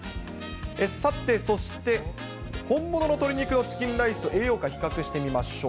さてそして、本物の鶏肉のチキンライスと栄養価、比較してみましょう。